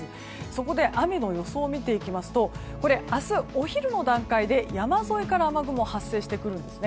そこで雨の予想を見ていきますとこれ、明日お昼の段階で山沿いから雨雲発生してきます。